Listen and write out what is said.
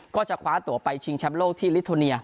ก็จะคว้าตัวไปชิงแชมป์โลกที่ลิโทเนีย